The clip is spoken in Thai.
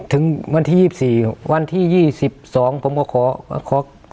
ถึงวันที่๒๔วันที่๒๒ผมก็ขอขอ